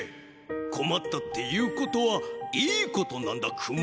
「こまった」っていうことはいいことなんだクマ。